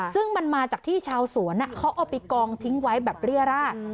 ซึ่งมันมาจากที่ชาวสวนเขาเอาไปกองทิ้งไว้แบบเรียราช